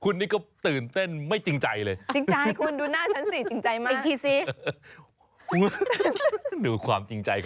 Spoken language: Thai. คุณนี่ก็ตื่นเต้นไม่จริงใจเลย